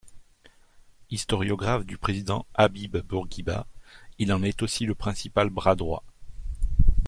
Historiographe du président Habib Bourguiba, il en est aussi le principal bras droit.